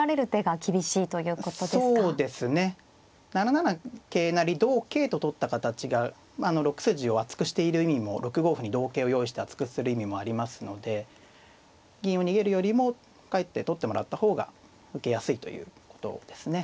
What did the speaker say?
７七桂成同桂と取った形が６筋を厚くしている意味も６五歩に同桂を用意して厚くする意味もありますので銀を逃げるよりもかえって取ってもらった方が受けやすいということですね。